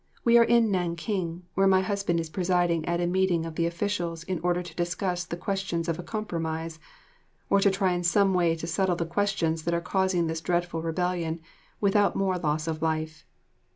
We are in Nanking, where my husband is presiding at a meeting of the officials in order to discuss the question of a compromise, or to try in some way to settle the questions that are causing this dreadful rebellion, without more loss of life.